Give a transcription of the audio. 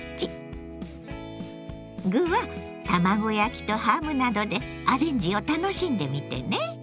具は卵焼きとハムなどでアレンジを楽しんでみてね。